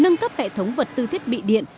nâng cấp hệ thống vật tư thiết bị điện